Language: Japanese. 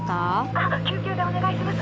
☎あっ救急でお願いします。